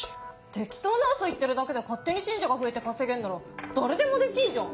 適当なウソ言ってるだけで勝手に信者が増えて稼げんなら誰でもできんじゃん！